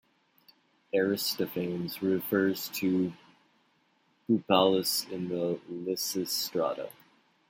Aristophanes refers to Bupalus in The Lysistrata.